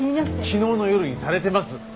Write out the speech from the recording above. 昨日の夜にされてます！